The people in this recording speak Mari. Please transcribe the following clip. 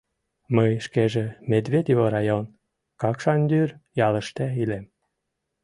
Мый шкеже Медведево район, Какшандӱр ялыште илем.